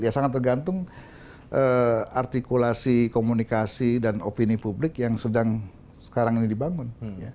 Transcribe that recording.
ya sangat tergantung artikulasi komunikasi dan opini publik yang sedang sekarang ini dibangun